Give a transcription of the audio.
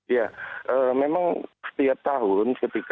ya memang setiap tahun